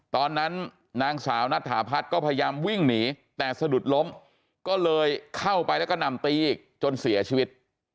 ตอนนั้นนางสาวนัทธาพัฒน์ก็พยายามวิ่งหนีแต่สะดุดล้มก็เลยเข้าไปแล้วก็นำตีอีกจนเสียชีวิต